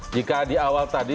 jika di awal tadi